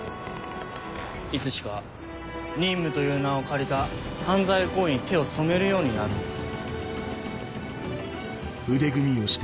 いつしか任務という名を借りた犯罪行為に手を染めるようになるんです。